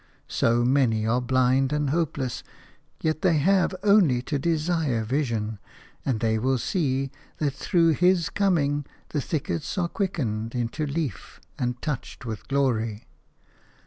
So many are blind and hopeless, yet they have only to desire vision, and they will see that through His coming the thickets are quickened into leaf and touched with glory.